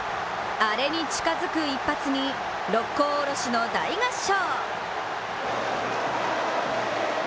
アレに近づく一発に「六甲おろし」の大合唱！